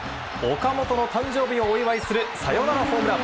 岡本の誕生日をお祝いするサヨナラホームラン。